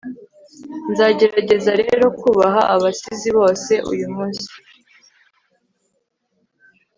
nzagerageza rero kubaha abasizi bose uyumunsi